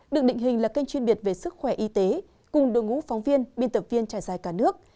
được định hình là kênh chuyên biệt về sức khỏe y tế cùng đội ngũ phóng viên biên tập viên trải dài cả nước